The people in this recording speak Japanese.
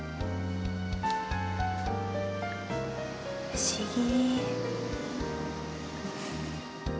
不思議。